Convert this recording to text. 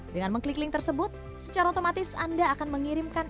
dengan mengklik link tersebut secara otomatis anda akan mengirimkan